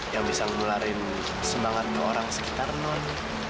yang bisa ngeluarin semangat ke orang sekitar non